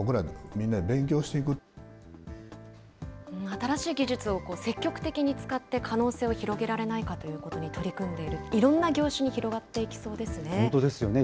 新しい技術を積極的に使って可能性を広げられないかということに取り組んでいる、いろんな業種に広がっていきそうですね。